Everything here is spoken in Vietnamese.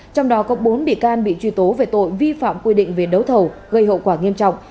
trong đó có bốn bị can bị truy tố về tội vi phạm quy định về đấu thầu gây hậu quả nghiêm trọng